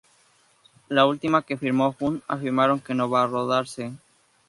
La última que firmo Hunt afirmaron que no va a rodarse.